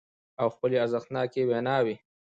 او خپلې ارزښتناکې ويناوې